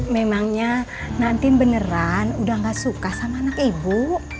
memangnya nanti beneran udah gak suka sama anak ibu